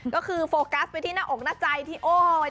ก็คือโฟกัสไปที่หน้าอกหน้าใจที่โอ้ย